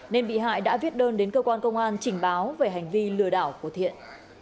nên bị hại đã viết đơn đến cơ quan công an trình báo về hành vi lừa đảo của thiện